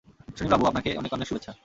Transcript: সুনীল বাবু, আপনাকে অনেক অনেক শুভেচ্ছা!